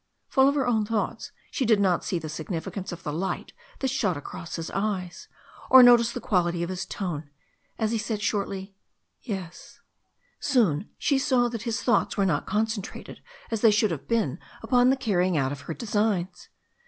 Full of her own thoughts she did not see the significance of the light that shot across his eyes, or notice the quality of his tone as he answered shortly: "Yes." Soon she saw that his thoughts were not concentrated as they should have been upon the carrying out of her de signs.